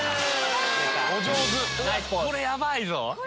これヤバいぞ！